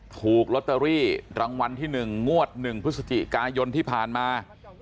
ถูกลอตเตอรี่รางวัลที่๑งวด๑พฤศจิกายนที่ผ่านมา